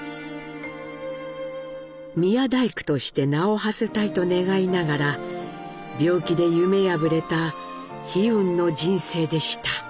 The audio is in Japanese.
宮大工として名をはせたいと願いながら病気で夢破れた悲運の人生でした。